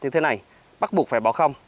như thế này bắt buộc phải bỏ không